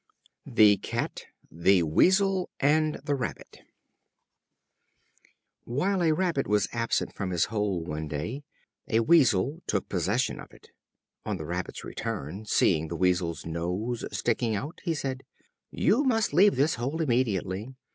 The Cat, the Weasel and the Rabbit. While a Rabbit was absent from his hole one day, a Weasel took possession of it. On the Rabbit's return, seeing the Weasel's nose sticking out, he said: "You must leave this hole immediately.